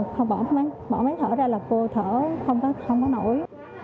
không bỏ máy thở ra là cô thở không có nổi